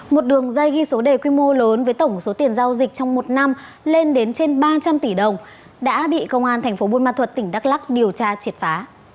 một đường dây ghi số đề quy mô lớn với tổng số tiền giao dịch trong một năm lên đến trên ba trăm linh tỷ đồng đã bị công an thành phố buôn ma thuật tỉnh đắk lắc điều tra triệt phá